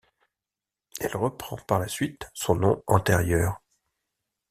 Elle reprend par la suite son nom antérieur.